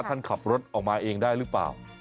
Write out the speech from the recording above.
ท่านขับรถออกมาเองได้หรือเปล่า